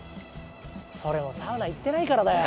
それもサウナ行ってないからだよ。